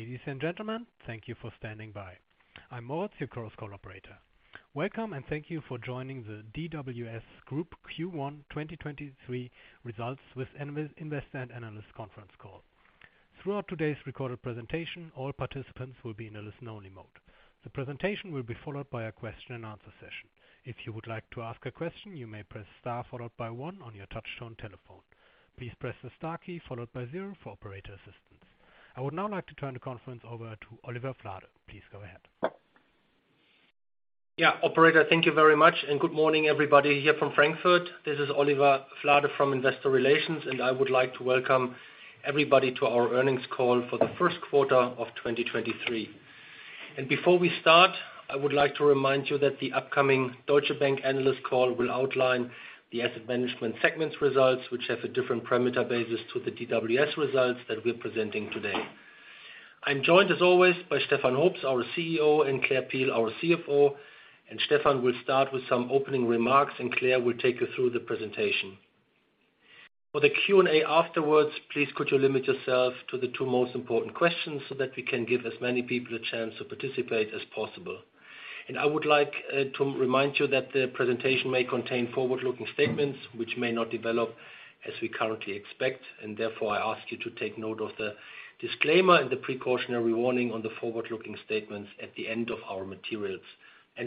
Ladies and gentlemen, thank you for standing by. I'm Moritz, your Chorus Call operator. Welcome, thank you for joining the DWS Group Q1 2023 results with investor and analyst conference call. Throughout today's recorded presentation, all participants will be in a listen-only mode. The presentation will be followed by a question and answer session. If you would like to ask a question, you may press star followed by one on your touch-tone telephone. Please press the star key followed by zero for operator assistance. I would now like to turn the conference over to Oliver Flade. Please go ahead. Yeah. Operator, thank you very much, and good morning, everybody here from Frankfurt. This is Oliver Flade from Investor Relations, and I would like to welcome everybody to our earnings call for the first quarter of 2023. Before we start, I would like to remind you that the upcoming Deutsche Bank analyst call will outline the asset management segment's results, which have a different parameter basis to the DWS results that we're presenting today. I'm joined, as always, by Stefan Hoops, our CEO, and Claire Peel, our CFO. Stefan will start with some opening remarks, and Claire will take you through the presentation. For the Q&A afterwards, please could you limit yourself to the two most important questions so that we can give as many people a chance to participate as possible. I would like to remind you that the presentation may contain forward-looking statements which may not develop as we currently expect, therefore, I ask you to take note of the disclaimer and the precautionary warning on the forward-looking statements at the end of our materials.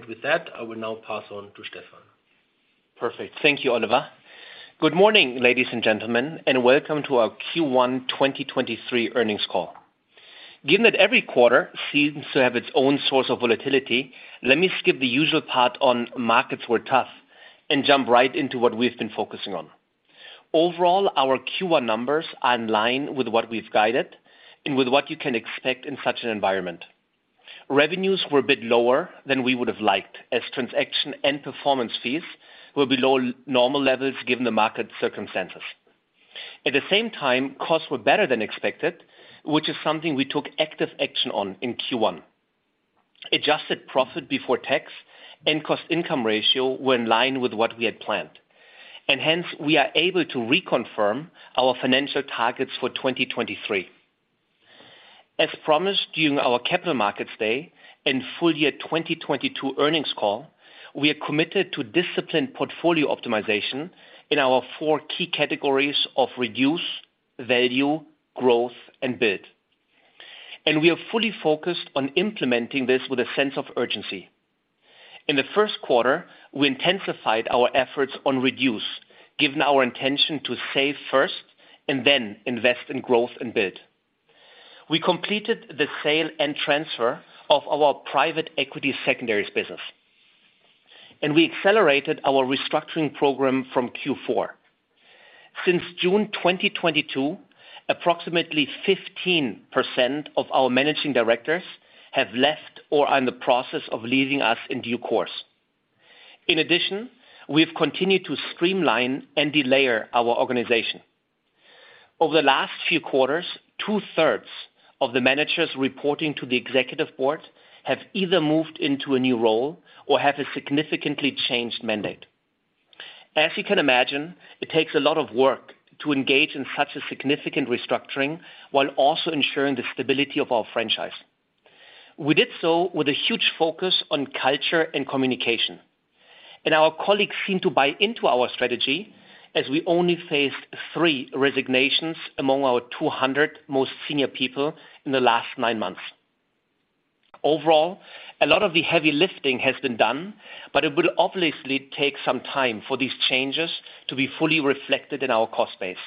With that, I will now pass on to Stefan. Perfect. Thank you, Oliver. Good morning, ladies and gentlemen, and welcome to our Q1 2023 earnings call. Given that every quarter seems to have its own source of volatility, let me skip the usual part on markets were tough and jump right into what we've been focusing on. Overall, our Q1 numbers are in line with what we've guided and with what you can expect in such an environment. Revenues were a bit lower than we would have liked, as transaction and performance fees were below normal levels given the market circumstances. At the same time, costs were better than expected, which is something we took active action on in Q1. Adjusted profit before tax and cost income ratio were in line with what we had planned, and hence we are able to reconfirm our financial targets for 2023. As promised during our Capital Markets Day and full year 2022 earnings call, we are committed to disciplined portfolio optimization in our four key categories of reduce, value, growth, and build. We are fully focused on implementing this with a sense of urgency. In the first quarter, we intensified our efforts on reduce, given our intention to save first and then invest in growth and build. We completed the sale and transfer of our private equity secondaries business, and we accelerated our restructuring program from Q4. Since June 2022, approximately 15% of our managing directors have left or are in the process of leaving us in due course. In addition, we've continued to streamline and delayer our organization. Over the last few quarters, 2/3 of the managers reporting to the executive board have either moved into a new role or have a significantly changed mandate. As you can imagine, it takes a lot of work to engage in such a significant restructuring while also ensuring the stability of our franchise. We did so with a huge focus on culture and communication. Our colleagues seem to buy into our strategy as we only faced three resignations among our 200 most senior people in the last nine months. Overall, a lot of the heavy lifting has been done. It will obviously take some time for these changes to be fully reflected in our cost base.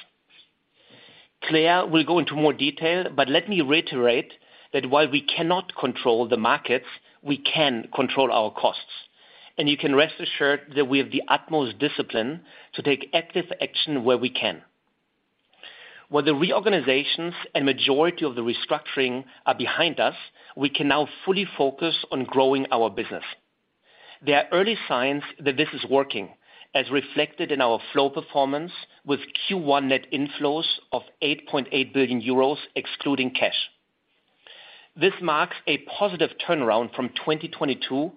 Claire will go into more detail. Let me reiterate that while we cannot control the markets, we can control our costs. You can rest assured that we have the utmost discipline to take active action where we can. While the reorganizations and majority of the restructuring are behind us, we can now fully focus on growing our business. There are early signs that this is working, as reflected in our flow performance with Q1 net inflows of 8.8 billion euros excluding cash. This marks a positive turnaround from 2022,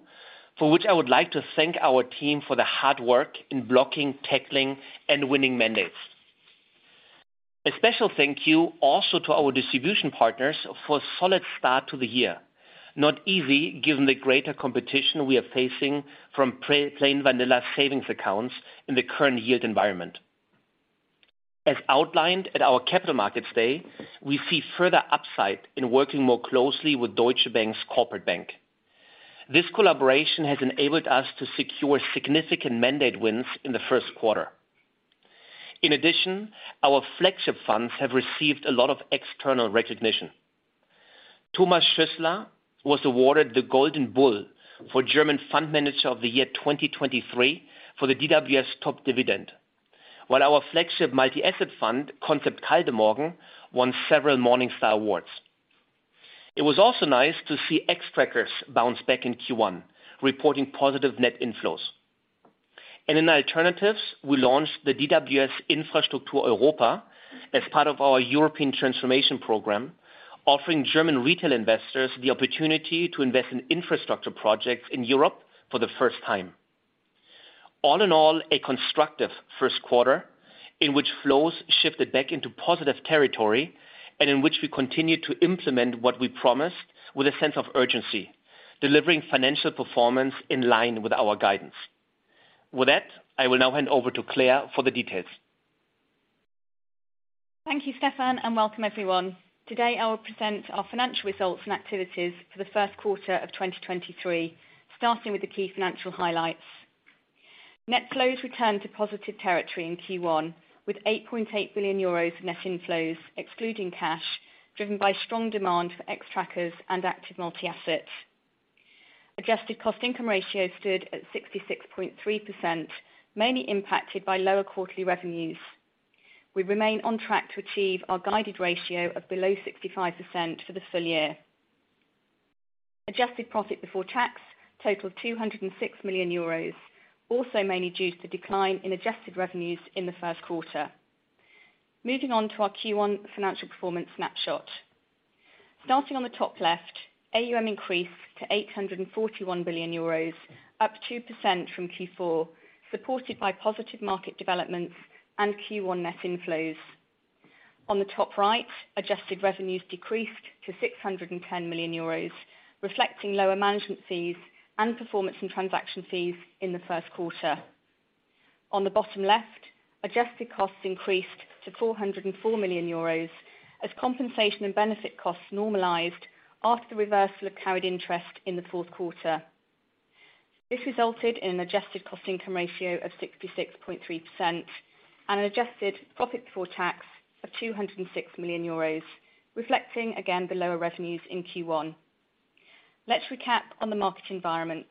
for which I would like to thank our team for the hard work in blocking, tackling, and winning mandates. A special thank you also to our distribution partners for a solid start to the year. Not easy, given the greater competition we are facing from plain vanilla savings accounts in the current yield environment. As outlined at our Capital Markets Day, we see further upside in working more closely with Deutsche Bank's corporate bank. This collaboration has enabled us to secure significant mandate wins in the first quarter. In addition, our flagship funds have received a lot of external recognition. Thomas Schuessler was awarded the Golden Bull for German Fund Manager of the Year 2023 for the DWS Top Dividende. Our flagship multi-asset fund, DWS Concept Kaldemorgen, won several Morningstar awards. It was also nice to see Xtrackers bounce back in Q1, reporting positive net inflows. In alternatives, we launched the DWS Infrastruktur Europa as part of our European transformation program, offering German retail investors the opportunity to invest in infrastructure projects in Europe for the first time. All in all, a constructive first quarter in which flows shifted back into positive territory and in which we continued to implement what we promised with a sense of urgency, delivering financial performance in line with our guidance. With that, I will now hand over to Claire for the details. Thank you, Stefan. Welcome everyone. Today, I will present our financial results and activities for the first quarter of 2023, starting with the key financial highlights. Net flows returned to positive territory in Q1 with 8.8 billion euros of net inflows excluding cash, driven by strong demand for Xtrackers and active multi-asset. Adjusted cost income ratio stood at 66.3%, mainly impacted by lower quarterly revenues. We remain on track to achieve our guided ratio of below 65% for the full year. Adjusted profit before tax totaled EUR 206 million, also mainly due to the decline in adjusted revenues in the first quarter. Moving on to our Q1 financial performance snapshot. Starting on the top left, AUM increased to 841 billion euros, up 2% from Q4, supported by positive market developments and Q1 net inflows. On the top right, adjusted revenues decreased to 610 million euros, reflecting lower management fees and performance and transaction fees in the first quarter. On the bottom left, adjusted costs increased to 404 million euros as compensation and benefit costs normalized after the reversal of carried interest in the fourth quarter. This resulted in an adjusted cost income ratio of 66.3% and an adjusted profit before tax of 206 million euros, reflecting again the lower revenues in Q1. Let's recap on the market environment.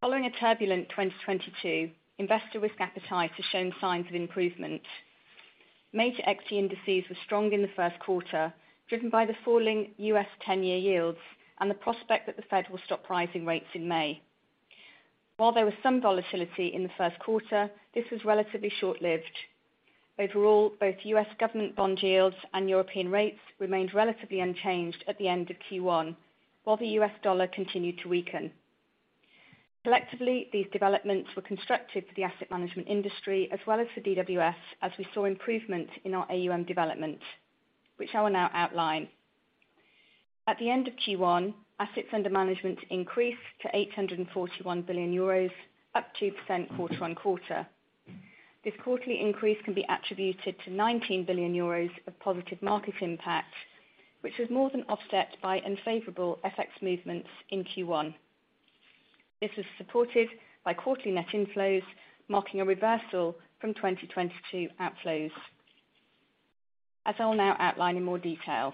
Following a turbulent 2022, investor risk appetite has shown signs of improvement. Major equity indices were strong in the first quarter, driven by the falling U.S. 10-year yields and the prospect that the Fed will stop rising rates in May. While there was some volatility in the first quarter, this was relatively short-lived. Both U.S. government bond yields and European rates remained relatively unchanged at the end of Q1, while the U.S. dollar continued to weaken. Collectively, these developments were constructed for the asset management industry as well as for DWS, as we saw improvement in our AUM development, which I will now outline. At the end of Q1, assets under management increased to 841 billion euros, up 2% quarter-on-quarter. This quarterly increase can be attributed to 19 billion euros of positive market impact, which was more than offset by unfavorable FX movements in Q1. This was supported by quarterly net inflows marking a reversal from 2022 outflows, as I'll now outline in more detail.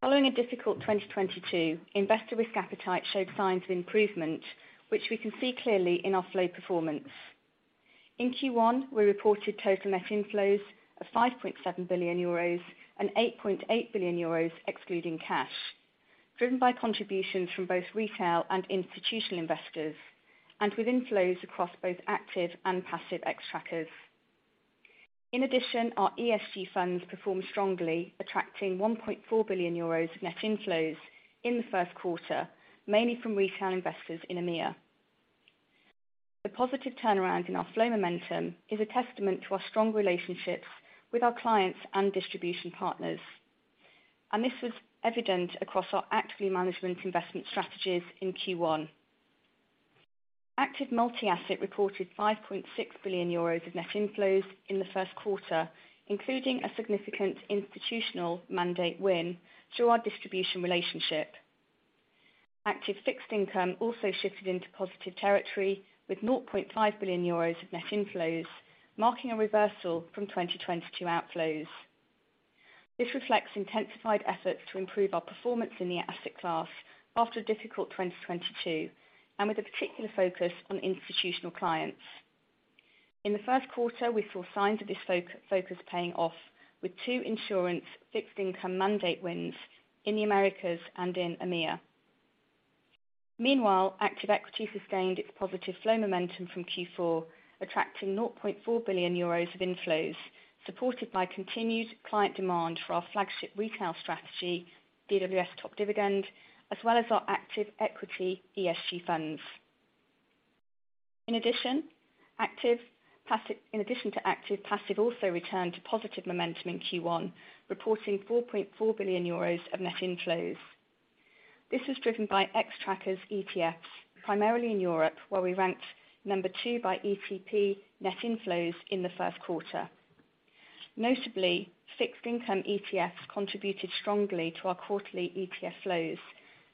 Following a difficult 2022, investor risk appetite showed signs of improvement, which we can see clearly in our flow performance. In Q1, we reported total net inflows of 5.7 billion euros and 8.8 billion euros excluding cash, driven by contributions from both retail and institutional investors and with inflows across both active and passive Xtrackers. Our ESG funds performed strongly, attracting 1.4 billion euros of net inflows in the first quarter, mainly from retail investors in EMEA. The positive turnaround in our flow momentum is a testament to our strong relationships with our clients and distribution partners, this was evident across our actively managed investment strategies in Q1. Active multi-asset reported 5.6 billion euros of net inflows in the first quarter, including a significant institutional mandate win through our distribution relationship. Active fixed income also shifted into positive territory with 0.5 billion euros of net inflows, marking a reversal from 2022 outflows. This reflects intensified efforts to improve our performance in the asset class after a difficult 2022, and with a particular focus on institutional clients. In the first quarter, we saw signs of this focus paying off with two insurance fixed income mandate wins in the Americas and in EMEA. Meanwhile, active equities has gained its positive flow momentum from Q4, attracting 0.4 billion euros of inflows, supported by continued client demand for our flagship retail strategy, DWS Top Dividende, as well as our active equity ESG funds. In addition to active, passive also returned to positive momentum in Q1, reporting 4.4 billion euros of net inflows. This was driven by Xtrackers ETFs, primarily in Europe, where we ranked number two by ETP net inflows in the first quarter. Notably, fixed income ETFs contributed strongly to our quarterly ETF flows,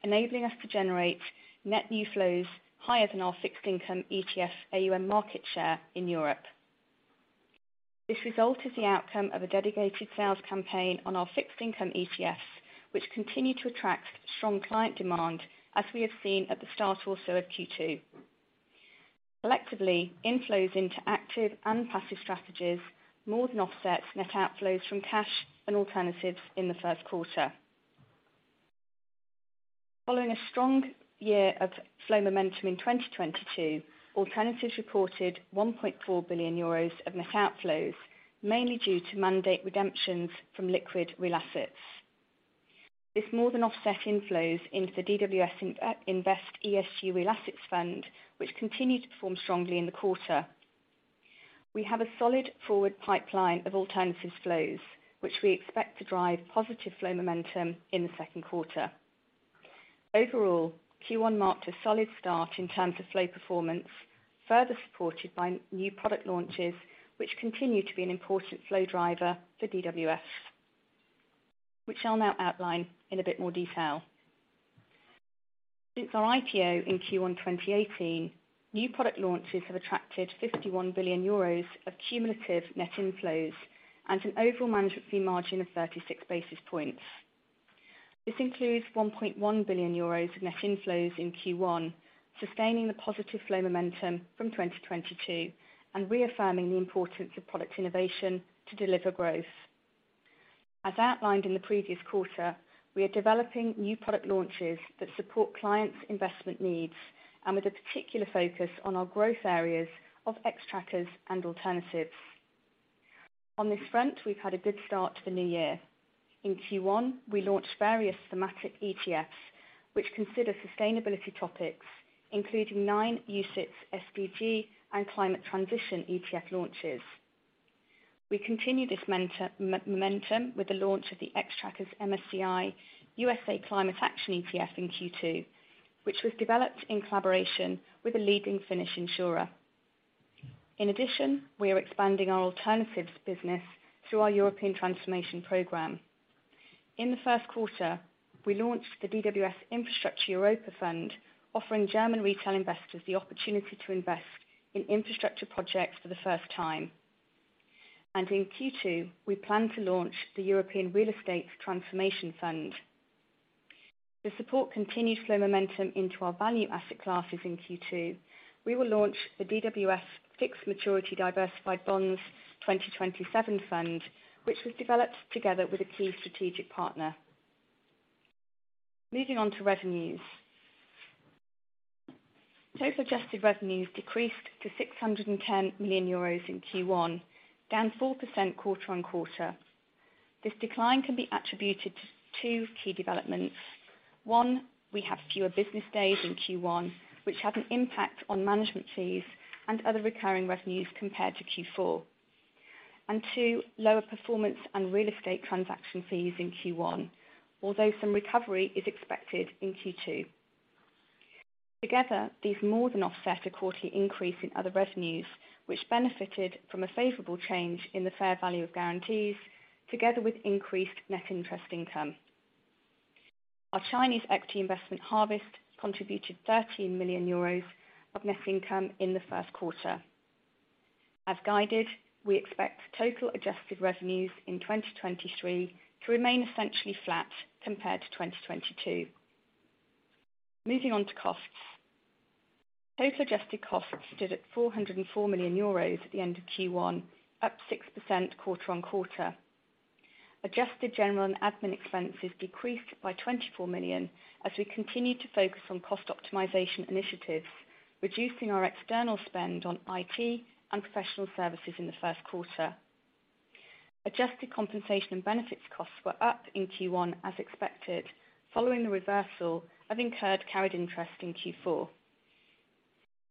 enabling us to generate net new flows higher than our fixed income ETF AUM market share in Europe. This result is the outcome of a dedicated sales campaign on our fixed income ETFs, which continue to attract strong client demand, as we have seen at the start also of Q2. Collectively, inflows into active and passive strategies more than offset net outflows from cash and alternatives in the first quarter. Following a strong year of flow momentum in 2022, alternatives reported 1.4 billion euros of net outflows, mainly due to mandate redemptions from liquid real assets. This more than offset inflows into the DWS Invest ESG Real Assets Fund, which continued to perform strongly in the quarter. We have a solid forward pipeline of alternatives flows, which we expect to drive positive flow momentum in the second quarter. Overall, Q1 marked a solid start in terms of flow performance, further supported by new product launches, which continue to be an important flow driver for DWS. I'll now outline in a bit more detail. Since our IPO in Q1 2018, new product launches have attracted 51 billion euros of cumulative net inflows and an overall management fee margin of 36 basis points. This includes 1.1 billion euros of net inflows in Q1, sustaining the positive flow momentum from 2022 and reaffirming the importance of product innovation to deliver growth. As outlined in the previous quarter, we are developing new product launches that support clients' investment needs and with a particular focus on our growth areas of Xtrackers and alternatives. On this front, we've had a good start to the new year. In Q1, we launched various thematic ETFs, which consider sustainability topics, including nine UCITS, SDG, and climate transition ETF launches. We continue this momentum with the launch of the Xtrackers MSCI USA Climate Action ETF in Q2, which was developed in collaboration with a leading Finnish insurer. We are expanding our alternatives business through our European transformation program. In the first quarter, we launched the DWS Infrastruktur Europa Fund, offering German retail investors the opportunity to invest in infrastructure projects for the first time. In Q2, we plan to launch the European Real Estate Transformation Fund. To support continued flow momentum into our value asset classes in Q2, we will launch the DWS Fixed Maturity Diversified Bonds 2027 fund, which was developed together with a key strategic partner. Moving on to revenues. Total adjusted revenues decreased to 610 million euros in Q1, down 4% quarter-on-quarter. This decline can be attributed to two key developments. One, we have fewer business days in Q1, which had an impact on management fees and other recurring revenues compared to Q4. Two, lower performance and real estate transaction fees in Q1, although some recovery is expected in Q2. Together, these more than offset a quarterly increase in other revenues, which benefited from a favorable change in the fair value of guarantees together with increased net interest income. Our Chinese equity investment Harvest contributed 13 million euros of net income in the first quarter. As guided, we expect total adjusted revenues in 2023 to remain essentially flat compared to 2022. Moving on to costs. Total adjusted costs stood at 404 million euros at the end of Q1, up 6% quarter-on-quarter. Adjusted G&A expenses decreased by 24 million as we continued to focus on cost optimization initiatives, reducing our external spend on IT and professional services in the first quarter. Adjusted comp and ben costs were up in Q1 as expected, following the reversal of incurred carried interest in Q4.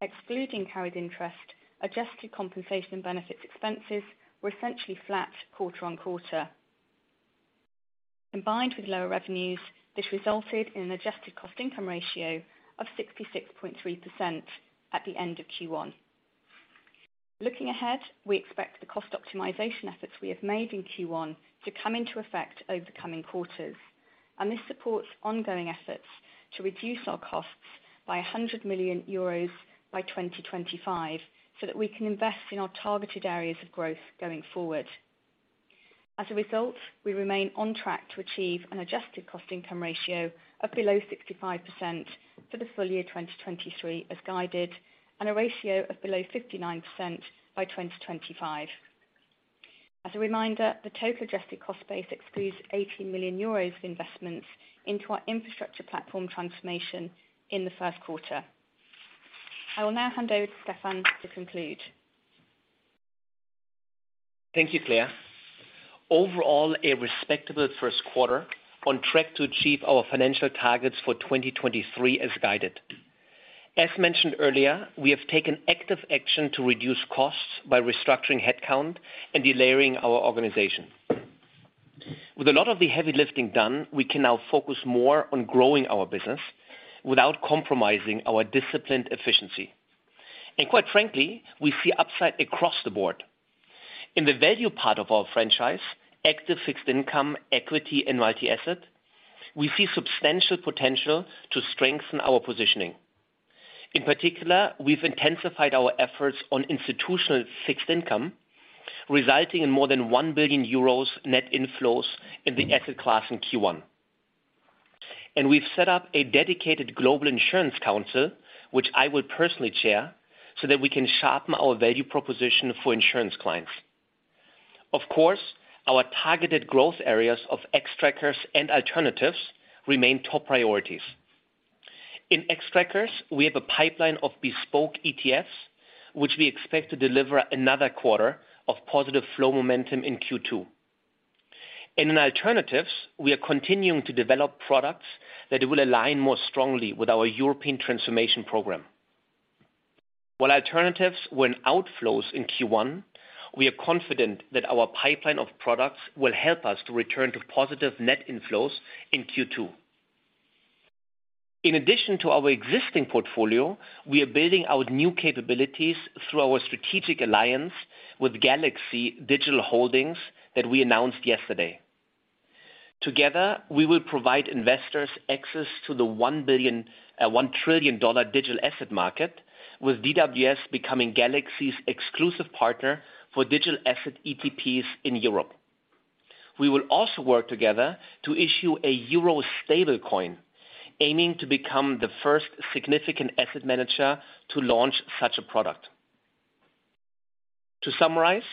Excluding carried interest, adjusted comp and ben expenses were essentially flat quarter-on-quarter. Combined with lower revenues, this resulted in an adjusted cost income ratio of 66.3% at the end of Q1. Looking ahead, we expect the cost optimization efforts we have made in Q1 to come into effect over the coming quarters. This supports ongoing efforts to reduce our costs by 100 million euros by 2025, so that we can invest in our targeted areas of growth going forward. As a result, we remain on track to achieve an adjusted cost income ratio of below 65% for the full year 2023 as guided, and a ratio of below 59% by 2025. As a reminder, the total adjusted cost base excludes 80 million euros of investments into our infrastructure platform transformation in the first quarter. I will now hand over to Stefan to conclude. Thank you, Claire. Overall, a respectable first quarter on track to achieve our financial targets for 2023 as guided. As mentioned earlier, we have taken active action to reduce costs by restructuring headcount and delayering our organization. With a lot of the heavy lifting done, we can now focus more on growing our business without compromising our disciplined efficiency. Quite frankly, we see upside across the board. In the value part of our franchise, active fixed income, equity, and ETP asset, we see substantial potential to strengthen our positioning. In particular, we've intensified our efforts on institutional fixed income, resulting in more than 1 billion euros net inflows in the asset class in Q1. We've set up a dedicated global insurance council, which I will personally chair, so that we can sharpen our value proposition for insurance clients. Of course, our targeted growth areas of Xtrackers and alternatives remain top priorities. In Xtrackers, we have a pipeline of bespoke ETFs, which we expect to deliver another quarter of positive flow momentum in Q2. In alternatives, we are continuing to develop products that will align more strongly with our European transformation program. While alternatives were in outflows in Q1, we are confident that our pipeline of products will help us to return to positive net inflows in Q2. In addition to our existing portfolio, we are building our new capabilities through our strategic alliance with Galaxy Digital Holdings that we announced yesterday. Together, we will provide investors access to the $1 trillion digital asset market, with DWS becoming Galaxy's exclusive partner for digital asset ETPs in Europe. We will also work together to issue a euro stablecoin, aiming to become the first significant asset manager to launch such a product. To summarize,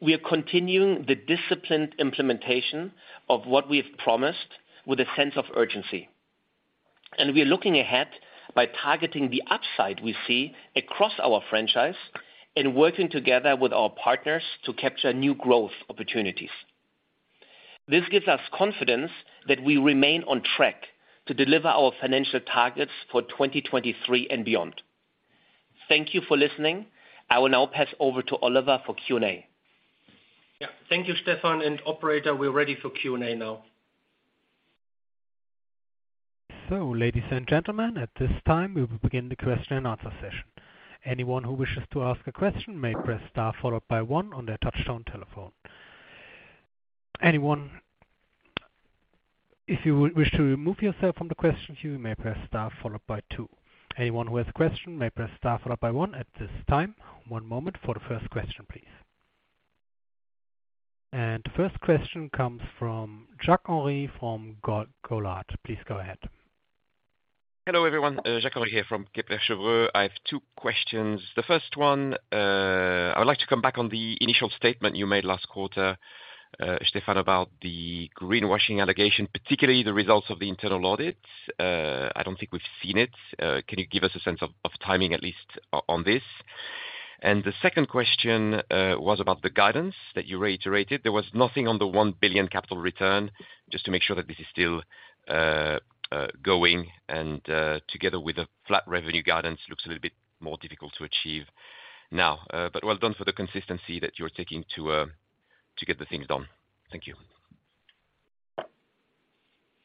we are continuing the disciplined implementation of what we've promised with a sense of urgency. We are looking ahead by targeting the upside we see across our franchise and working together with our partners to capture new growth opportunities. This gives us confidence that we remain on track to deliver our financial targets for 2023 and beyond. Thank you for listening. I will now pass over to Oliver for Q&A. Yeah, thank you, Stefan. And operator, we're ready for Q&A now. Ladies and gentlemen, at this time we will begin the question and answer session. Anyone who wishes to ask a question may press star followed by one on their touch-tone telephone. If you wish to remove yourself from the question queue, you may press star followed by two. Anyone who has a question may press star followed by one at this time. One moment for the first question, please. First question comes from Jacques-Henri from Go-Goulart. Please go ahead. Hello, everyone. Jacques-Henri here from Kepler Cheuvreux. I have two questions. The first one, I would like to come back on the initial statement you made last quarter, Stefan, about the greenwashing allegation, particularly the results of the internal audit. I don't think we've seen it. Can you give us a sense of timing, at least on this? The second question, was about the guidance that you reiterated. There was nothing on the 1 billion capital return just to make sure that this is still going and together with a flat revenue guidance looks a little bit more difficult to achieve now. Well done for the consistency that you're taking to get the things done. Thank you.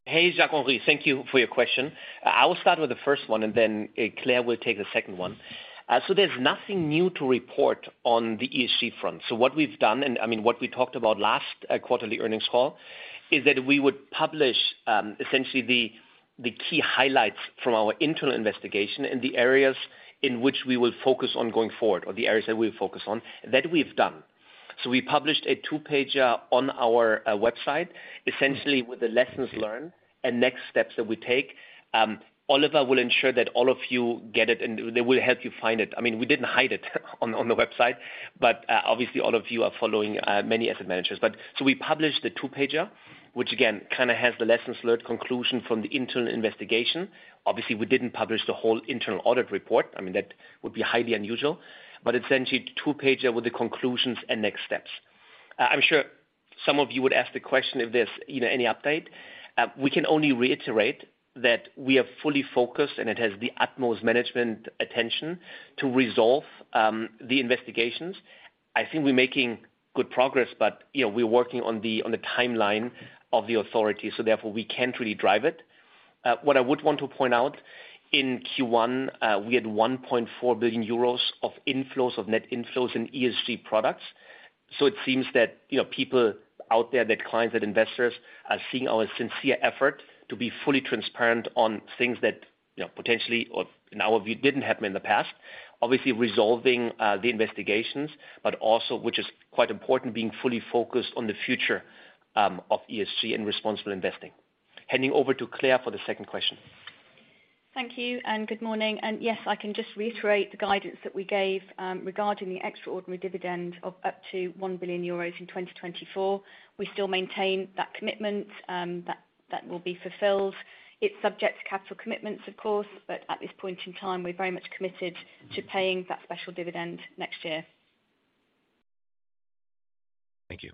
Hey, Jacques-Henri. Thank you for your question. I will start with the first one, and then Claire will take the second one. There's nothing new to report on the ESG front. What we've done, and I mean, what we talked about last quarterly earnings call, is that we would publish essentially the key highlights from our internal investigation in the areas in which we will focus on going forward or the areas that we'll focus on. That we've done. We published a two-pager on our website, essentially with the lessons learned and next steps that we take. Oliver will ensure that all of you get it, and they will help you find it. I mean, we didn't hide it on the website, but obviously all of you are following many asset managers. We published the two-pager, which again, kind of has the lessons learned conclusion from the internal investigation. Obviously, we didn't publish the whole internal audit report. I mean, that would be highly unusual, but essentially two-pager with the conclusions and next steps. I'm sure some of you would ask the question, if there's, you know, any update. We can only reiterate that we are fully focused, and it has the utmost management attention to resolve the investigations. I think we're making good progress, but you know, we're working on the timeline of the authority, so therefore we can't really drive it. What I would want to point out, in Q1, we had 1.4 billion euros of inflows, of net inflows in ESG products. It seems that, you know, people out there, the clients and investors are seeing our sincere effort to be fully transparent on things that, you know, potentially or in our view, didn't happen in the past. Obviously resolving the investigations, but also, which is quite important, being fully focused on the future of ESG and responsible investing. Handing over to Claire for the second question. Thank you and good morning. Yes, I can just reiterate the guidance that we gave regarding the extraordinary dividend of up to 1 billion euros in 2024. We still maintain that commitment that will be fulfilled. It's subject to capital commitments of course, but at this point in time, we're very much committed to paying that special dividend next year. Thank you.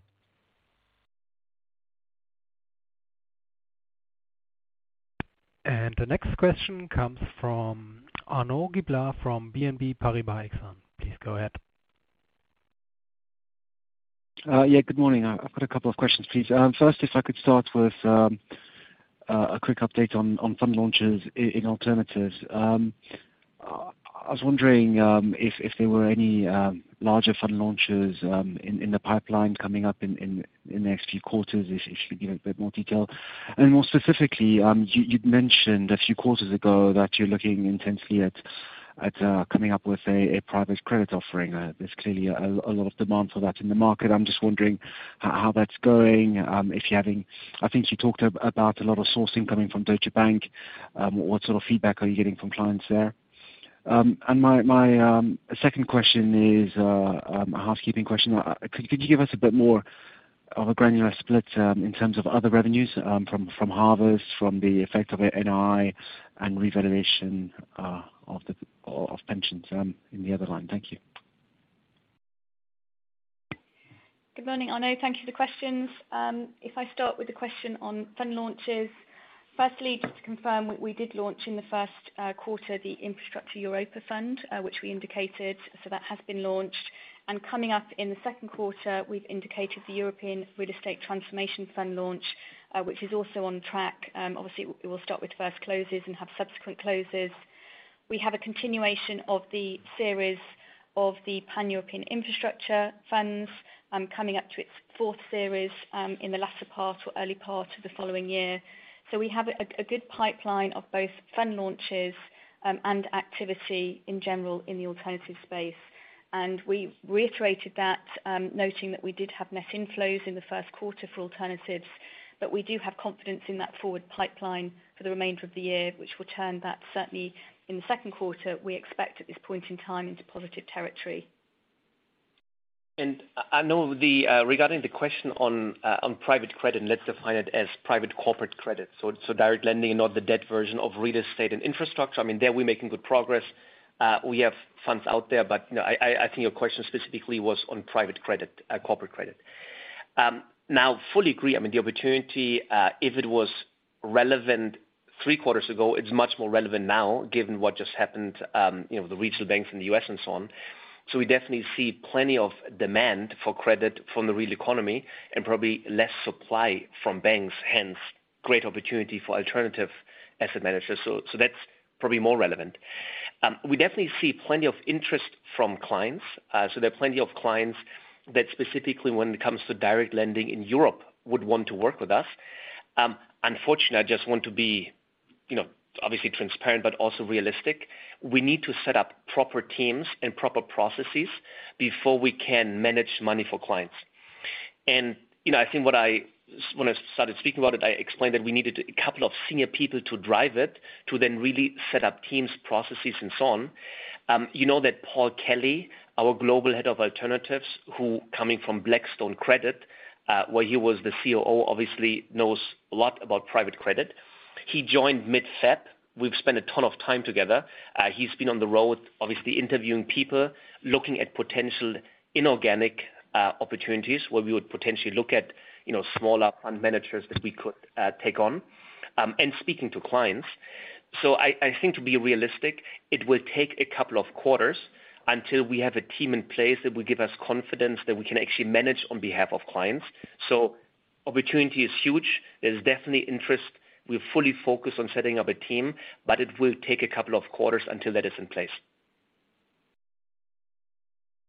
The next question comes from Arnaud Giblat from BNP Paribas Exane. Please go ahead. Yeah, good morning. I've got a couple of questions, please. First, if I could start with a quick update on fund launches in alternatives. I was wondering if there were any larger fund launches in the pipeline coming up in the next few quarters. If you could give a bit more detail? More specifically, you'd mentioned a few quarters ago that you're looking intensely at coming up with a private credit offering. There's clearly a lot of demand for that in the market. I'm just wondering how that's going. If you're having... I think you talked about a lot of sourcing coming from Deutsche Bank. What sort of feedback are you getting from clients there? My second question is, a housekeeping question. Could you give us a bit more of a granular split, in terms of other revenues, from Harvest, from the effect of NII, and revaluation of pensions in the other line? Thank you. Good morning, Arnaud. Thank you for the questions. If I start with the question on fund launches, firstly, just to confirm, we did launch in the first quarter the Infrastructure Europa Fund, which we indicated, so that has been launched. Coming up in the second quarter, we've indicated the European Real Estate Transformation Fund launch, which is also on track. Obviously we will start with first closes and have subsequent closes. We have a continuation of the series of the Pan-European Infrastructure Fund, coming up to its fourth series, in the latter part or early part of the following year. We have a good pipeline of both fund launches and activity in general in the alternatives space. We reiterated that, noting that we did have net inflows in the first quarter for alternatives, but we do have confidence in that forward pipeline for the remainder of the year, which will turn that certainly in the second quarter, we expect at this point in time, into positive territory. I know the, regarding the question on private credit, and let's define it as private corporate credit, so direct lending and not the debt version of real estate and infrastructure, I mean, there we're making good progress. We have funds out there, but, you know, I think your question specifically was on private credit, corporate credit. Now fully agree, I mean, the opportunity, if it was relevant three quarters ago, it's much more relevant now given what just happened, you know, the regional bank from the U.S. and so on. We definitely see plenty of demand for credit from the real economy and probably less supply from banks, hence great opportunity for alternative asset managers. That's probably more relevant. We definitely see plenty of interest from clients. There are plenty of clients that specifically when it comes to direct lending in Europe would want to work with us. Unfortunately, I just want to be, you know, obviously transparent, but also realistic. We need to set up proper teams and proper processes before we can manage money for clients. You know, I think when I started speaking about it, I explained that we needed a couple of senior people to drive it, to then really set up teams, processes and so on. You know that Paul Kelly, our Global Head of Alternatives, who coming from Blackstone Credit where he was the COO, obviously knows a lot about private credit. He joined mid-February. We've spent a ton of time together. He's been on the road, obviously interviewing people, looking at potential inorganic opportunities where we would potentially look at, you know, smaller fund managers that we could take on, and speaking to clients. I think to be realistic, it will take a couple of quarters until we have a team in place that will give us confidence that we can actually manage on behalf of clients. Opportunity is huge. There's definitely interest. We're fully focused on setting up a team, but it will take a couple of quarters until that is in place.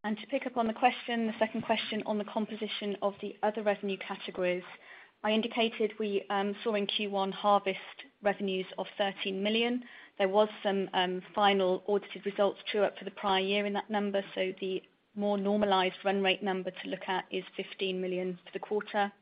To pick up on the question, the second question on the composition of the other revenue categories, I indicated we saw in Q1 Harvest revenues of 13 million. There was some final audited results true up to the prior year in that number, so the more normalized run rate number to look at is 15 million for the quarter.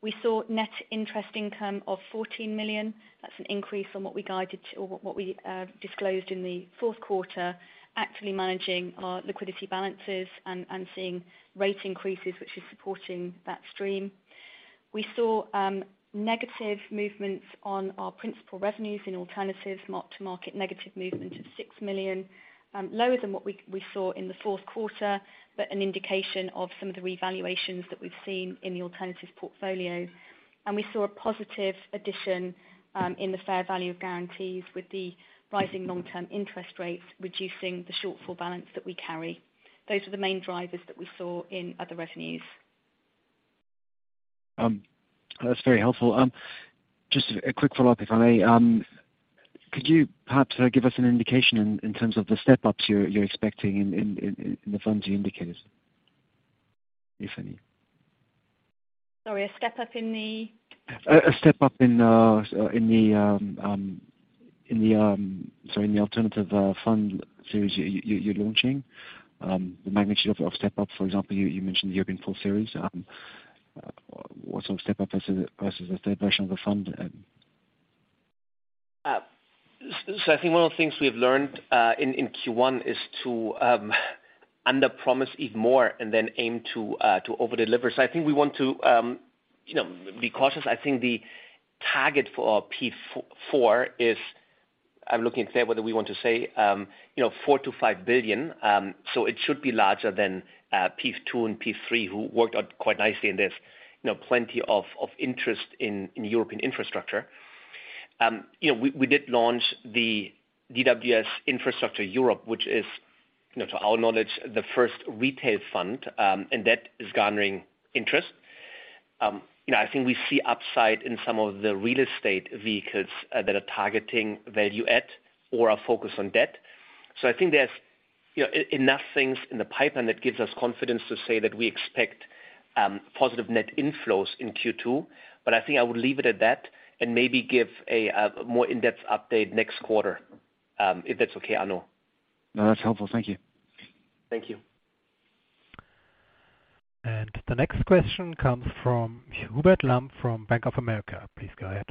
We saw net interest income of 14 million. That's an increase from what we guided or what we disclosed in the fourth quarter, actively managing our liquidity balances and seeing rate increases, which is supporting that stream. We saw negative movements on our principal revenues in alternatives, mark-to-market negative movement of 6 million, lower than what we saw in the fourth quarter, but an indication of some of the revaluations that we've seen in the alternatives portfolio. We saw a positive addition, in the fair value of guarantees with the rising long-term interest rates, reducing the shortfall balance that we carry. Those were the main drivers that we saw in other revenues. That's very helpful. Just a quick follow-up, if I may. Could you perhaps give us an indication in terms of the step-ups you're expecting in the funds you indicated? If any. Sorry, a step-up in the? A step up in the, sorry, in the alternative fund series you're launching. The magnitude of step up, for example, you mentioned the European fund series. What's some step up versus the third version of the fund? Some of the things we have learned in Q1 is to underpromise even more and then aim to overdeliver. I think we want to be cautious. I think the target for P4 is I'm looking to say whether we want to say 4 billion-5 billion. So it should be larger than P2 and P3, who worked out quite nicely, and there's plenty of interest in European infrastructure. We did launch the DWS Infrastructure Europe, which is to our knowledge, the first retail fund, and that is garnering interest. I think we see upside in some of the real estate vehicles that are targeting value add or are focused on debt. I think there's, you know, enough things in the pipeline that gives us confidence to say that we expect positive net inflows in Q2. I think I would leave it at that and maybe give a more in-depth update next quarter, if that's okay, Arnaud. No, that's helpful. Thank you. Thank you. The next question comes from Hubert Lam from Bank of America. Please go ahead.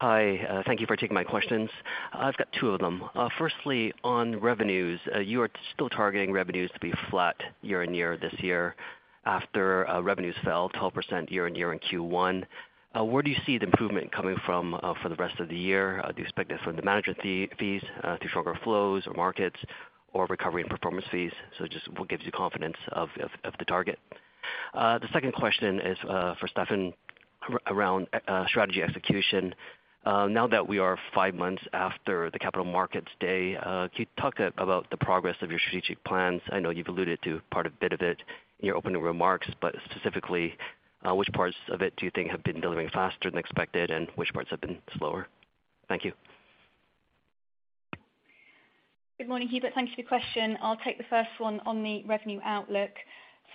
Hi. Thank you for taking my questions. I've got two of them. Firstly, on revenues, you are still targeting revenues to be flat year-over-year this year after revenues fell 12% year-over-year in Q1. Where do you see the improvement coming from for the rest of the year? Do you expect it from the management fees, to stronger flows or markets or recovery and performance fees? Just what gives you confidence of the target? The second question is for Stefan around strategy execution. Now that we are five months after the Capital Markets Day, can you talk about the progress of your strategic plans? I know you've alluded to a bit of it in your opening remarks, but specifically, which parts of it do you think have been delivering faster than expected, and which parts have been slower? Thank you. Good morning, Hubert. Thank you for your question. I'll take the first one on the revenue outlook.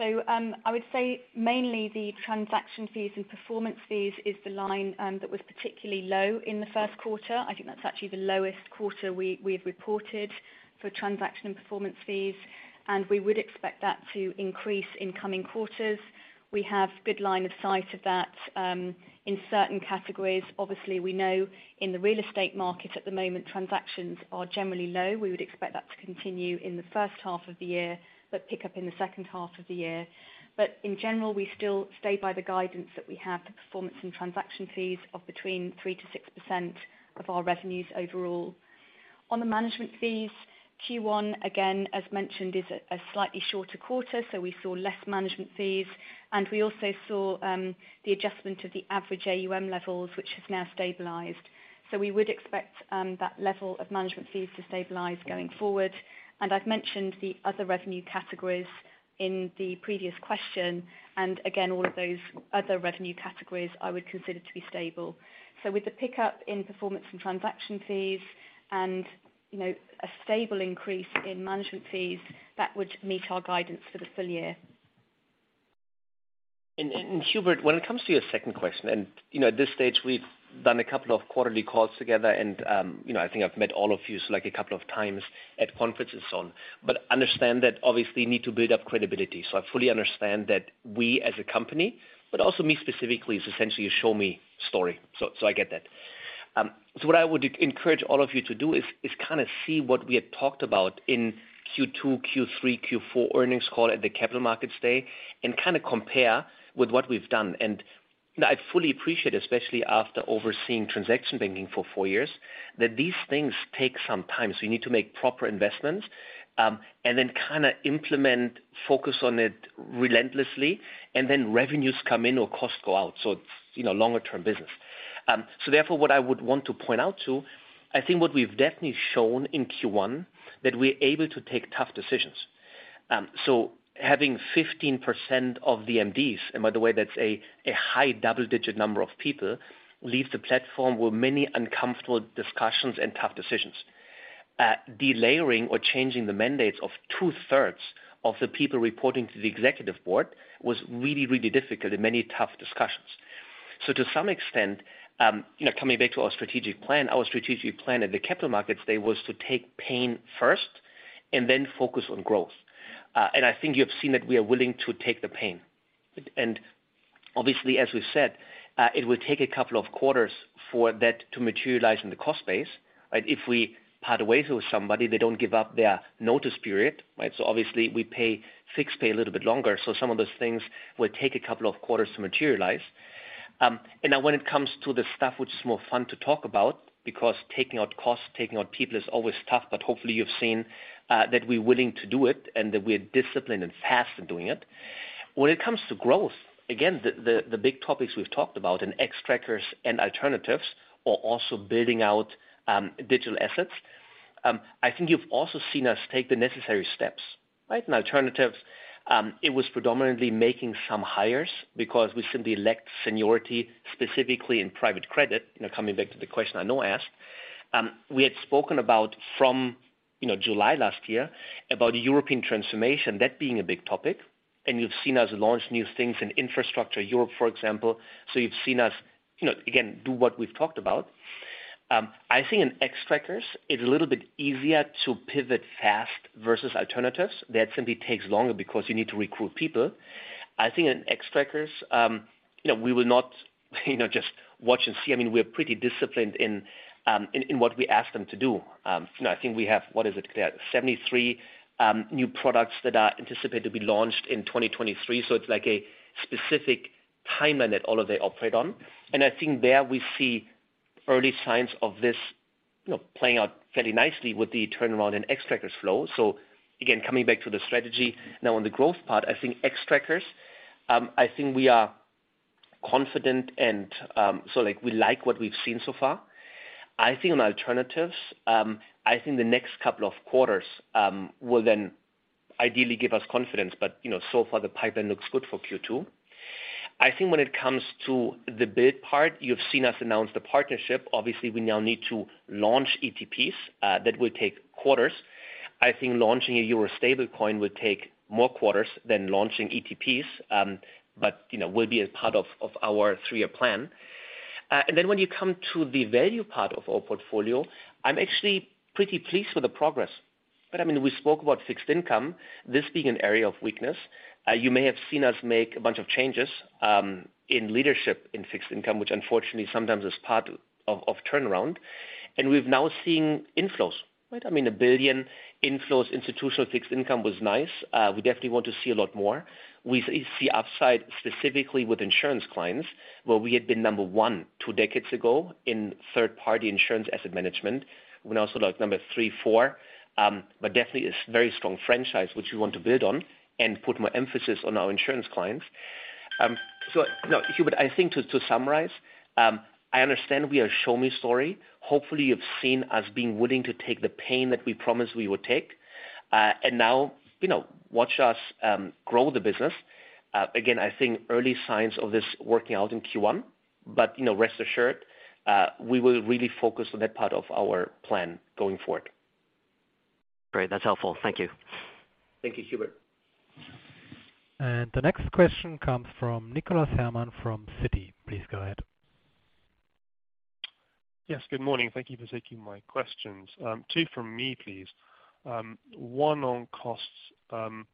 I would say mainly the transaction fees and performance fees is the line that was particularly low in the first quarter. I think that's actually the lowest quarter we have reported for transaction and performance fees, and we would expect that to increase in coming quarters. We have good line of sight of that in certain categories. Obviously, we know in the real estate market at the moment, transactions are generally low. We would expect that to continue in the first half of the year, but pick up in the second half of the year. In general, we still stay by the guidance that we have for performance and transaction fees of between 3%-6% of our revenues overall. On the management fees, Q1, again, as mentioned, is a slightly shorter quarter, we saw less management fees. We also saw the adjustment of the average AUM levels, which has now stabilized. We would expect that level of management fees to stabilize going forward. I've mentioned the other revenue categories in the previous question, and again, all of those other revenue categories I would consider to be stable. With the pickup in performance and transaction fees and, you know, a stable increase in management fees, that would meet our guidance for the full year. Hubert, when it comes to your second question, and, you know, at this stage, we've done a couple of quarterly calls together and, you know, I think I've met all of you like a couple of times at conferences on. Understand that obviously you need to build up credibility. I fully understand that we as a company, but also me specifically, is essentially a show me story. So I get that. What I would encourage all of you to do is kind of see what we had talked about in Q2, Q3, Q4 earnings call at the Capital Markets Day, and kinda compare with what we've done. I fully appreciate, especially after overseeing transaction banking for four years, that these things take some time. You need to make proper investments, and then kinda implement focus on it relentlessly, and then revenues come in or costs go out, so it's, you know, longer term business. Therefore, what I would want to point out to, I think what we've definitely shown in Q1, that we're able to take tough decisions. Having 15% of the MDs, and by the way, that's a high double-digit number of people, leave the platform were many uncomfortable discussions and tough decisions. Delayering or changing the mandates of 2/3 of the people reporting to the executive board was really, really difficult and many tough discussions. To some extent, you know, coming back to our strategic plan, our strategic plan at the Capital Markets Day was to take pain first and then focus on growth. I think you have seen that we are willing to take the pain. Obviously, as we've said, it will take a couple of quarters for that to materialize in the cost base, right? If we part ways with somebody, they don't give up their notice period, right? Obviously we pay fixed pay a little bit longer. Some of those things will take a couple of quarters to materialize. Now when it comes to the stuff which is more fun to talk about, because taking out costs, taking out people is always tough, but hopefully you've seen, that we're willing to do it and that we're disciplined and fast in doing it. When it comes to growth, again, the big topics we've talked about in Xtrackers and alternatives are also building out, digital assets. I think you've also seen us take the necessary steps, right? Alternatives, it was predominantly making some hires because we simply lacked seniority, specifically in private credit, you know, coming back to the question Arnaud asked. We had spoken about from, you know, July last year about European transformation, that being a big topic, and you've seen us launch new things in Infrastructure Europe, for example. You've seen us, you know, again, do what we've talked about. I think in Xtrackers, it's a little bit easier to pivot fast versus alternatives. That simply takes longer because you need to recruit people. I think in Xtrackers, you know, we will not, you know, just watch and see. I mean, we're pretty disciplined in what we ask them to do. You know, I think we have, what is it Claire? 73 new products that are anticipated to be launched in 2023. It's like a specific timeline that all of they operate on. I think there we see early signs of this, you know, playing out fairly nicely with the turnaround in Xtrackers flow. Again, coming back to the strategy. On the growth part, I think Xtrackers, I think we are confident and we like what we've seen so far. I think on alternatives, I think the next couple of quarters will then ideally give us confidence. You know, so far the pipeline looks good for Q2. I think when it comes to the bid part, you've seen us announce the partnership. Obviously, we now need to launch ETPs that will take quarters. I think launching a euro stablecoin will take more quarters than launching ETPs, but, you know, will be a part of our three-year plan. Then when you come to the value part of our portfolio, I'm actually pretty pleased with the progress. I mean, we spoke about fixed income, this being an area of weakness. You may have seen us make a bunch of changes, in leadership in fixed income, which unfortunately sometimes is part of turnaround. We've now seen inflows, right? I mean, 1 billion inflows, institutional fixed income was nice. We definitely want to see a lot more. We see upside specifically with insurance clients, where we had been number 1 2 decades ago in third-party insurance asset management. We're now sort of like number three, four. Definitely a very strong franchise, which we want to build on and put more emphasis on our insurance clients. You know, Hubert, I think to summarize, I understand we are a show me story. Hopefully you've seen us being willing to take the pain that we promised we would take. Now, you know, watch us grow the business. Again, I think early signs of this working out in Q1, but you know, rest assured, we will really focus on that part of our plan going forward. Great. That's helpful. Thank you. Thank you, Hubert. The next question comes from Nicholas Herman from Citi. Please go ahead. Yes, good morning. Thank you for taking my questions. Two from me, please. One on costs, and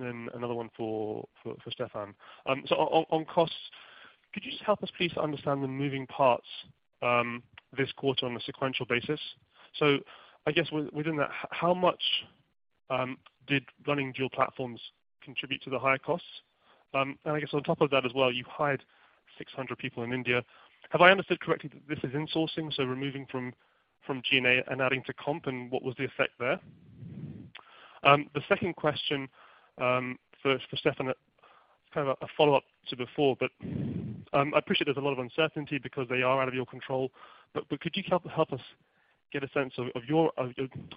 then another one for Stefan. On costs, could you just help us please understand the moving parts this quarter on a sequential basis? I guess within that, how much did running dual platforms contribute to the higher costs? And I guess on top of that as well, you hired 600 people in India. Have I understood correctly that this is insourcing, so removing from G&A and adding to comp, and what was the effect there? The second question for Stefan, it's kind of a follow-up to before, but I appreciate there's a lot of uncertainty because they are out of your control. Could you help us get a sense of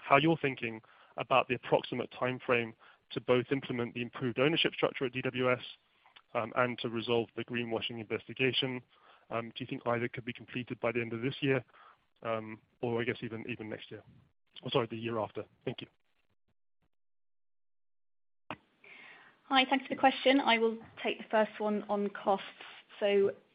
how you're thinking about the approximate timeframe to both implement the improved ownership structure at DWS and to resolve the greenwashing investigation? Do you think either could be completed by the end of this year or, I guess, even next year? Or sorry, the year after? Thank you. Hi. Thanks for the question. I will take the first one on costs.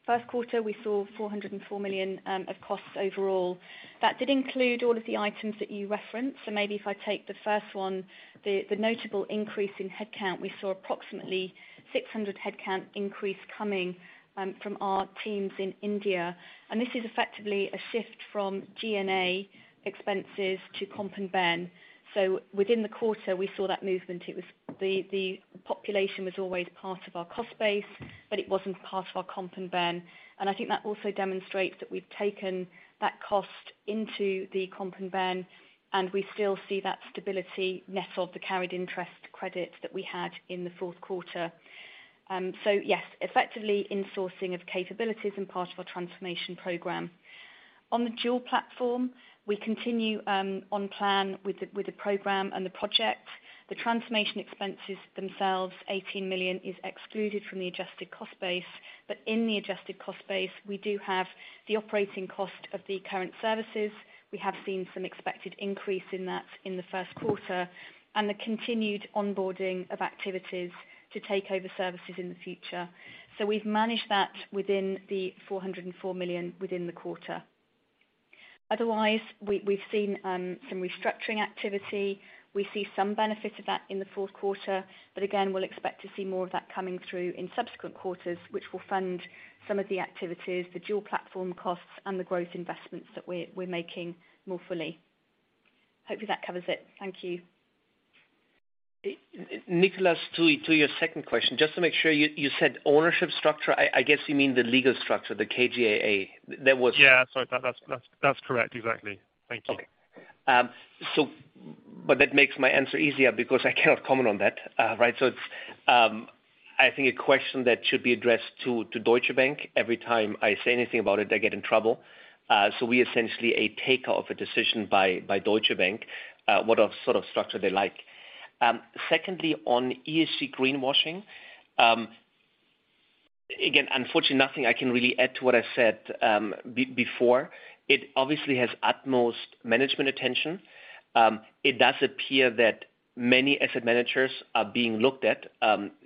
First quarter, we saw 404 million of costs overall. That did include all of the items that you referenced. Maybe if I take the first one, the notable increase in headcount. We saw approximately 600 headcount increase coming from our teams in India. This is effectively a shift from G&A expenses to Comp & Ben. Within the quarter, we saw that movement. It was the population was always part of our cost base, but it wasn't part of our Comp & Ben. I think that also demonstrates that we've taken that cost into the Comp & Ben, and we still see that stability net of the carried interest credits that we had in the fourth quarter. Yes, effectively insourcing of capabilities and part of our transformation program. On the dual platform, we continue on plan with the program and the project. The transformation expenses themselves, 18 million, is excluded from the adjusted cost base. In the adjusted cost base, we do have the operating cost of the current services. We have seen some expected increase in that in the first quarter, and the continued onboarding of activities to take over services in the future. We've managed that within the 404 million within the quarter. Otherwise, we've seen some restructuring activity. We see some benefit of that in the fourth quarter. Again, we'll expect to see more of that coming through in subsequent quarters, which will fund some of the activities, the dual platform costs and the growth investments that we're making more fully. Hopefully that covers it. Thank you. Nicholas, to your second question, just to make sure, you said ownership structure. I guess you mean the legal structure, the KGAA. Yeah. Sorry, that's correct. Exactly. Thank you. Okay. That makes my answer easier because I cannot comment on that. Right? I think a question that should be addressed to Deutsche Bank. Every time I say anything about it, I get in trouble. We essentially a taker of a decision by Deutsche Bank, what sort of structure they like. Secondly, on ESG greenwashing, again, unfortunately nothing I can really add to what I said before. It obviously has utmost management attention. It does appear that many asset managers are being looked at,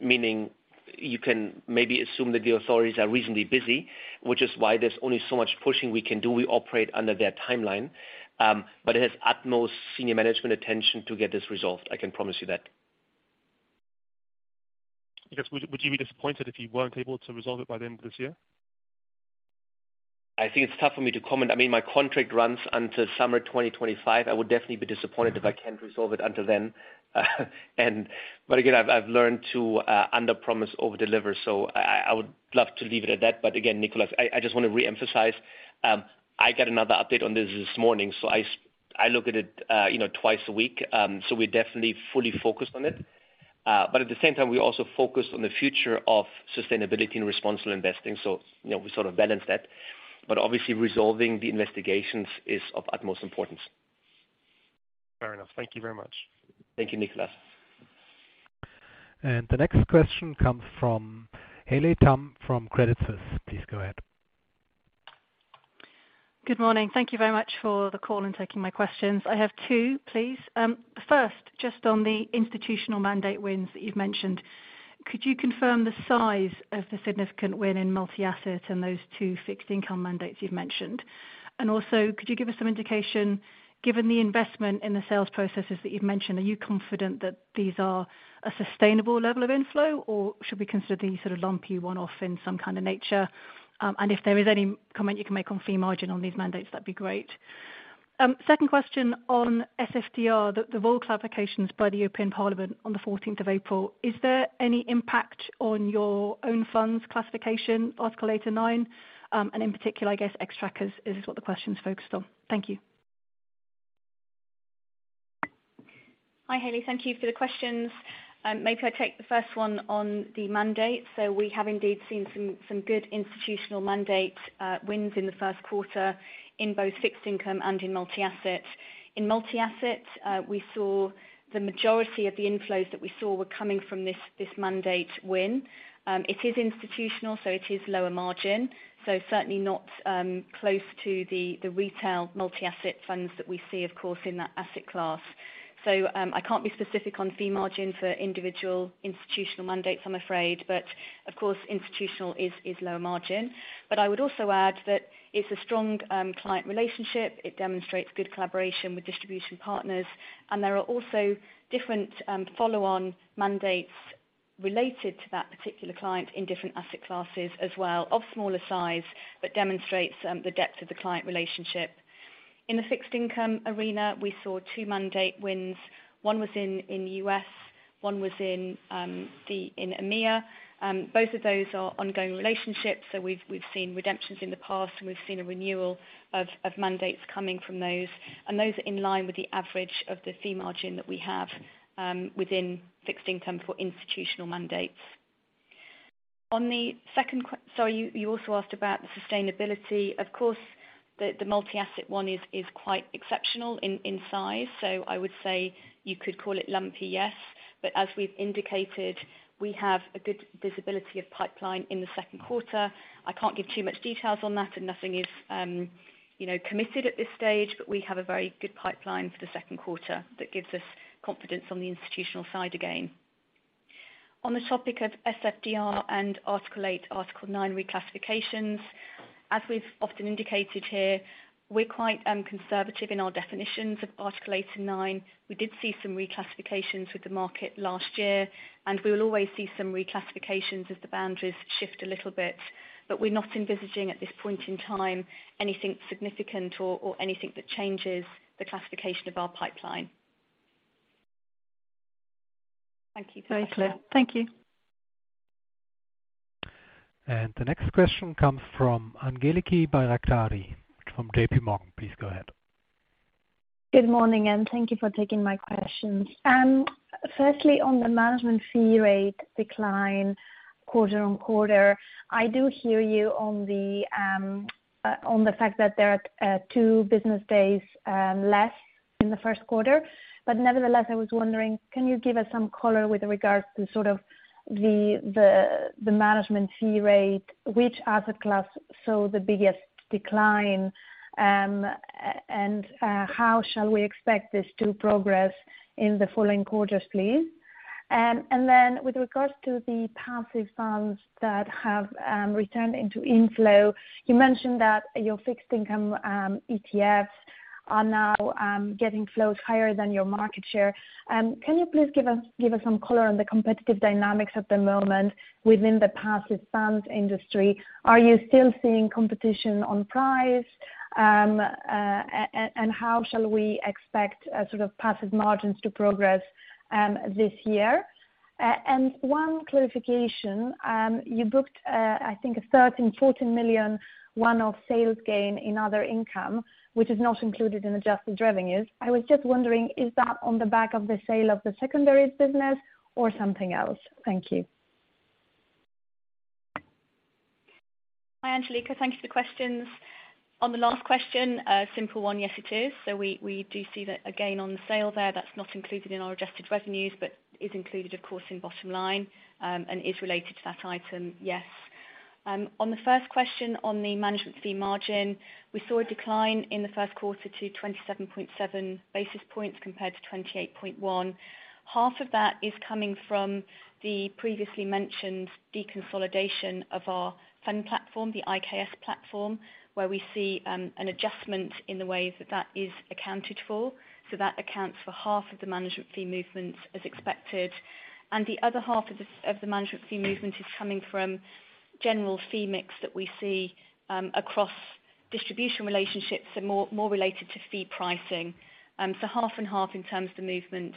meaning you can maybe assume that the authorities are reasonably busy, which is why there's only so much pushing we can do. We operate under their timeline. But it has utmost senior management attention to get this resolved, I can promise you that. I guess, would you be disappointed if you weren't able to resolve it by the end of this year? I think it's tough for me to comment. I mean, my contract runs until summer 2025. I would definitely be disappointed if I can't resolve it until then. Again, I've learned to underpromise, overdeliver, so I would love to leave it at that. Again, Nicholas, I just wanna reemphasize, I got another update on this this morning, so I look at it, you know, twice a week. We're definitely fully focused on it. At the same time, we also focus on the future of sustainability and responsible investing. You know, we sort of balance that. Obviously resolving the investigations is of utmost importance. Fair enough. Thank you very much. Thank you, Nicholas. The next question comes from Haley Tam from Credit Suisse. Please go ahead. Good morning. Thank you very much for the call and taking my questions. I have two, please. First, just on the institutional mandate wins that you've mentioned, could you confirm the size of the significant win in multi-asset and those two fixed income mandates you've mentioned? Also, could you give us some indication, given the investment in the sales processes that you've mentioned, are you confident that these are a sustainable level of inflow, or should we consider these sort of lumpy one-off in some kind of nature? If there is any comment you can make on fee margin on these mandates, that'd be great. Second question on SFDR, the rule clarifications by the European Parliament on the 14th of April, is there any impact on your own funds classification, Article 8 and 9? In particular, I guess, Xtrackers is what the question's focused on. Thank you. Hi, Haley. Thank you for the questions. Maybe I take the first one on the mandate. We have indeed seen some good institutional mandate wins in the first quarter in both fixed income and in multi-asset. In multi-asset, we saw the majority of the inflows that we saw were coming from this mandate win. It is institutional, it is lower margin, certainly not close to the retail multi-asset funds that we see, of course, in that asset class. I can't be specific on fee margin for individual institutional mandates, I'm afraid, but of course, institutional is lower margin. I would also add that it's a strong client relationship. It demonstrates good collaboration with distribution partners, and there are also different follow-on mandates related to that particular client in different asset classes as well, of smaller size, but demonstrates the depth of the client relationship. In the fixed income arena, we saw two mandate wins. One was in the U.S., one was in EMEA. Both of those are ongoing relationships. We've seen redemptions in the past, and we've seen a renewal of mandates coming from those. Those are in line with the average of the fee margin that we have within fixed income for institutional mandates. On the second sorry, you also asked about the sustainability. Of course, the multi-asset one is quite exceptional in size. I would say you could call it lumpy, yes. As we've indicated, we have a good visibility of pipeline in the second quarter. I can't give too much details on that, and nothing is, you know, committed at this stage, but we have a very good pipeline for the second quarter that gives us confidence on the institutional side again. On the topic of SFDR and Article 8, Article 9 reclassifications, as we've often indicated here, we're quite conservative in our definitions of Article 8 and 9. We did see some reclassifications with the market last year, and we will always see some reclassifications as the boundaries shift a little bit. We're not envisaging at this point in time anything significant or anything that changes the classification of our pipeline. Thank you. Very clear. Thank you. The next question comes from Angeliki Bairaktari from JPMorgan. Please go ahead. Good morning, and thank you for taking my questions. Firstly, on the management fee rate decline quarter-on-quarter, I do hear you on the fact that there are two business days less in the first quarter. Nevertheless, I was wondering, can you give us some color with regards to sort of the management fee rate, which asset class saw the biggest decline, and how shall we expect this to progress in the following quarters, please? With regards to the passive funds that have returned into inflow, you mentioned that your fixed income ETFs are now getting flows higher than your market share. Can you please give us some color on the competitive dynamics at the moment within the passive funds industry? Are you still seeing competition on price? How shall we expect a sort of passive margins to progress, this year? One clarification, you booked, I think a 13 million-14 million one-off sales gain in other income, which is not included in adjusted revenues. I was just wondering, is that on the back of the sale of the secondaries business or something else? Thank you. Hi, Angeliki. Thank you for the questions. On the last question, a simple one, yes, it is. We do see that again on the sale there, that's not included in our adjusted revenues, but is included, of course, in bottom line, and is related to that item, yes. On the first question on the management fee margin, we saw a decline in the first quarter to 27.7 basis points compared to 28.1 basis points. Half of that is coming from the previously mentioned deconsolidation of our fund platform, the IKS platform, where we see an adjustment in the way that that is accounted for. That accounts for half of the management fee movements as expected. The other half of the management fee movement is coming from general fee mix that we see across distribution relationships and more related to fee pricing. Half and half in terms of the movement.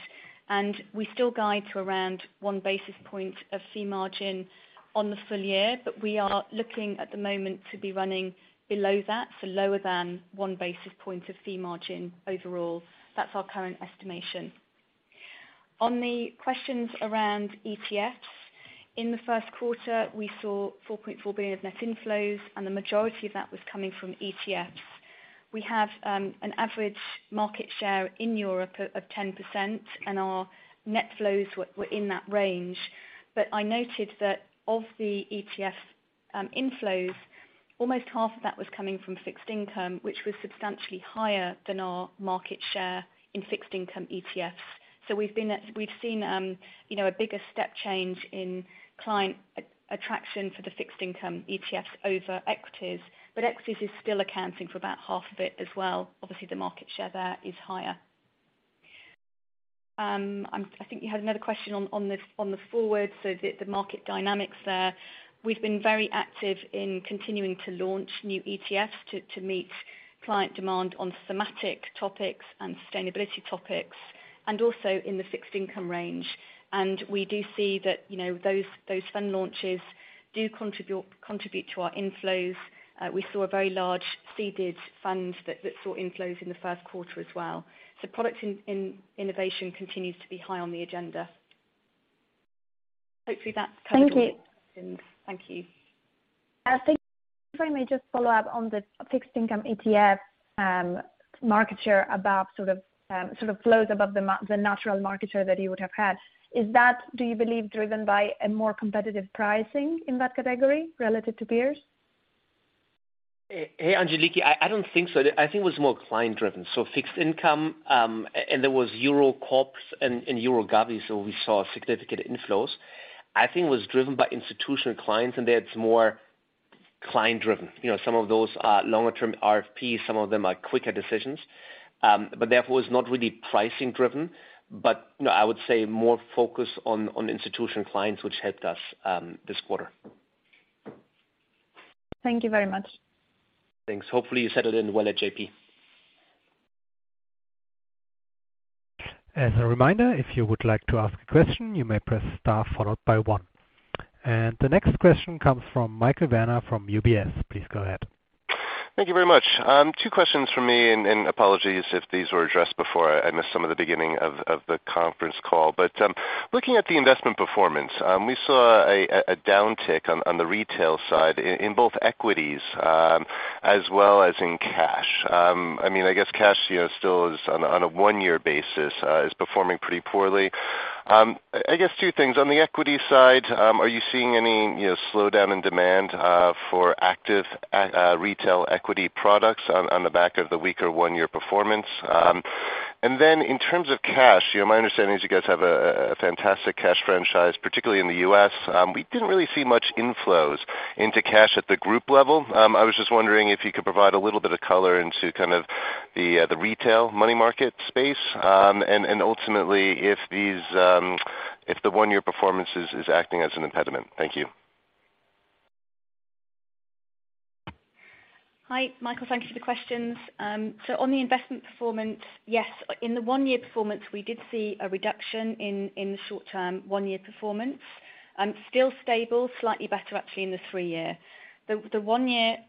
We still guide to around 1 basis point of fee margin on the full year, but we are looking at the moment to be running below that, so lower than 1 basis point of fee margin overall. That's our current estimation. On the questions around ETFs, in the first quarter, we saw 4.4 billion of net inflows, and the majority of that was coming from ETFs. We have an average market share in Europe of 10%, and our net flows were in that range. I noted that of the ETF inflows, almost half of that was coming from fixed income, which was substantially higher than our market share in fixed income ETFs. We've been, we've seen, you know, a bigger step change in client attraction for the fixed income ETFs over equities. Equities is still accounting for about half of it as well. Obviously, the market share there is higher. I think you had another question on the forward, so the market dynamics there. We've been very active in continuing to launch new ETFs to meet client demand on thematic topics and sustainability topics, and also in the fixed income range. We do see that, you know, those fund launches do contribute to our inflows. We saw a very large seeded fund that saw inflows in the first quarter as well. Product innovation continues to be high on the agenda. Hopefully that's covered all. Thank you. Thank you. Thank you. If I may just follow up on the fixed income ETF, market share above sort of flows above the natural market share that you would have had. Is that, do you believe, driven by a more competitive pricing in that category relative to peers? Hey, Angeliki, I don't think so. I think it was more client driven. Fixed income, and there was Euro Corporate and Euro Government, we saw significant inflows. I think it was driven by institutional clients, and they had more client driven. You know, some of those longer term RFPs, some of them are quicker decisions, therefore, it's not really pricing driven. No, I would say more focused on institutional clients, which helped us this quarter. Thank you very much. Thanks. Hopefully you settled in well at JP. As a reminder, if you would like to ask a question, you may press star followed by one. The next question comes from Michael Werner from UBS. Please go ahead. Thank you very much. Two questions from me, and apologies if these were addressed before. I missed some of the beginning of the conference call. Looking at the investment performance, we saw a downtick on the retail side in both equities, as well as in cash. I mean, I guess cash, you know, still is on a one-year basis, is performing pretty poorly. I guess two things. On the equity side, are you seeing any, you know, slowdown in demand for active retail equity products on the back of the weaker one-year performance? In terms of cash, you know, my understanding is you guys have a fantastic cash franchise, particularly in the U.S. We didn't really see much inflows into cash at the group level. I was just wondering if you could provide a little bit of color into kind of the retail money market space. Ultimately, if these, if the one-year performance is acting as an impediment. Thank you. Hi, Michael. Thank you for the questions. On the investment performance, yes, in the one-year performance, we did see a reduction in the short-term one-year performance. Still stable, slightly better actually in the three-year. The one-year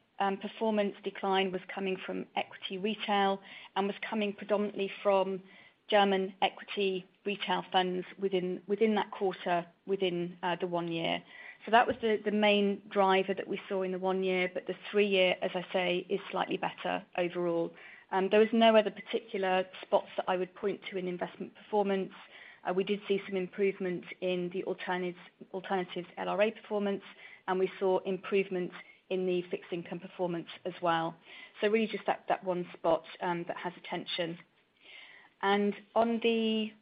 performance decline was coming from equity retail and was coming predominantly from German equity retail funds within that quarter, within the one-year. That was the main driver that we saw in the one-year. The three-year, as I say, is slightly better overall. There was no other particular spots that I would point to in investment performance. We did see some improvement in the alternatives LRA performance, and we saw improvements in the fixed income performance as well. Really just that one spot that has attention. On the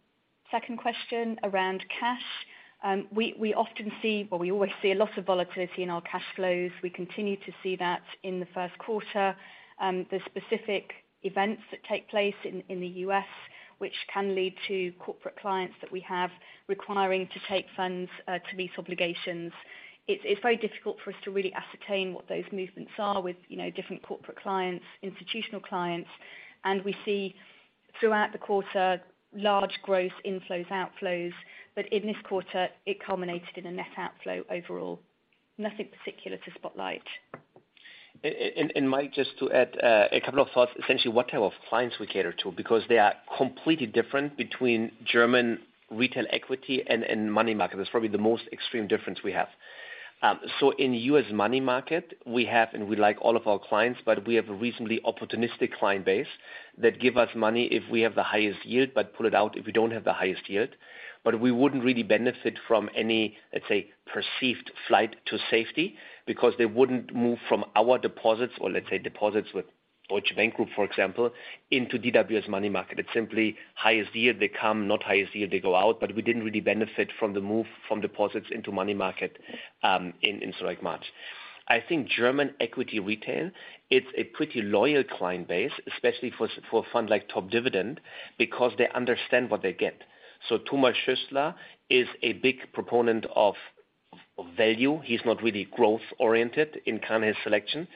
second question around cash, we often see, well, we always see a lot of volatility in our cash flows. We continue to see that in the first quarter. The specific events that take place in the U.S. which can lead to corporate clients that we have requiring to take funds to meet obligations. It's very difficult for us to really ascertain what those movements are with, you know, different corporate clients, institutional clients. We see throughout the quarter large gross inflows, outflows. In this quarter it culminated in a net outflow overall. Nothing particular to spotlight. Mike, just to add a couple of thoughts. Essentially what type of clients we cater to, because they are completely different between German retail equity and money market. That's probably the most extreme difference we have. In U.S. money market we have, and we like all of our clients, but we have a reasonably opportunistic client base that give us money if we have the highest yield, but pull it out if we don't have the highest yield. We wouldn't really benefit from any, let's say, perceived flight to safety because they wouldn't move from our deposits or let's say deposits with Deutsche Bank Group, for example, into DWS money market. It's simply highest yield they come, not highest yield they go out. We didn't really benefit from the move from deposits into money market, in so like much. I think German equity retail, it's a pretty loyal client base, especially for a fund like Top Dividende because they understand what they get. Thomas Schuessler is a big proponent of value. He's not really growth oriented in kind of his selection.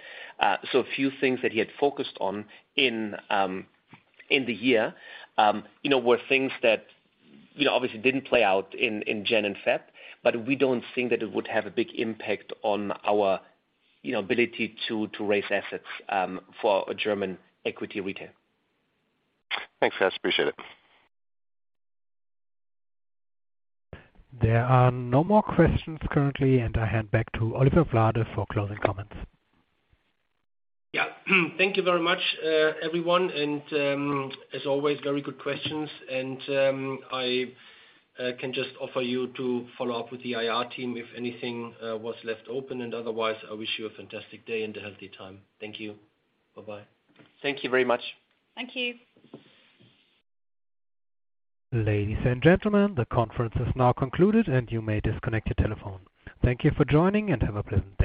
A few things that he had focused on in the year, you know, were things that, you know, obviously didn't play out in Jan and Feb, but we don't think that it would have a big impact on our, you know, ability to raise assets for a German equity retail. Thanks, guys. Appreciate it. There are no more questions currently. I hand back to Oliver Flade for closing comments. Yeah. Thank you very much, everyone. As always, very good questions. I, can just offer you to follow up with the IR team if anything was left open. Otherwise, I wish you a fantastic day and a healthy time. Thank you. Bye-bye. Thank you very much. Thank you. Ladies and gentlemen, the conference is now concluded and you may disconnect your telephone. Thank you for joining and have a pleasant day.